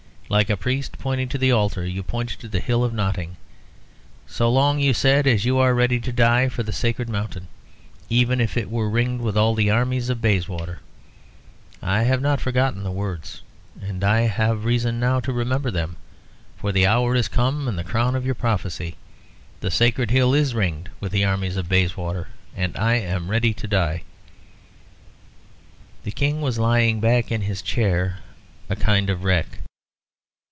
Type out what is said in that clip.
Like a priest pointing to the altar, you pointed to the hill of Notting. 'So long,' you said, 'as you are ready to die for the sacred mountain, even if it were ringed with all the armies of Bayswater.' I have not forgotten the words, and I have reason now to remember them, for the hour is come and the crown of your prophecy. The sacred hill is ringed with the armies of Bayswater, and I am ready to die." The King was lying back in his chair, a kind of wreck.